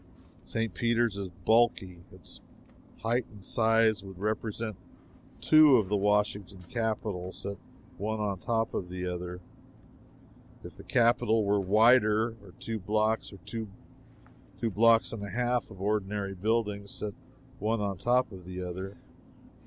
St. Peter's is bulky. Its height and size would represent two of the Washington capitol set one on top of the other if the capitol were wider; or two blocks or two blocks and a half of ordinary buildings set one on top of the other.